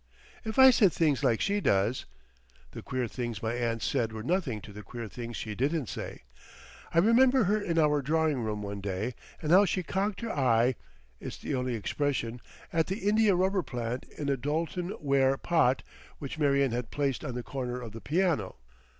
"If I said things like she does—" The queer things my aunt said were nothing to the queer things she didn't say. I remember her in our drawing room one day, and how she cocked her eye—it's the only expression—at the India rubber plant in a Doulton ware pot which Marion had placed on the corner of the piano.